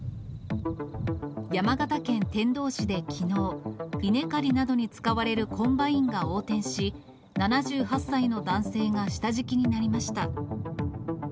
山形県天童市できのう、稲刈りなどに使われるコンバインが横転し、７８歳の男性が下敷きになりました。